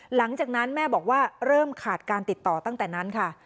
หลังจากนั้นแม่บอกว่าเริ่มขาดการติดต่อตั้งแต่นั้นค่ะ